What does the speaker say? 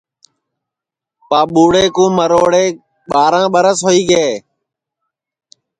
پربھوڑے کُو مروڑے ٻاراں ٻرس ہوئی گے